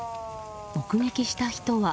目撃した人は。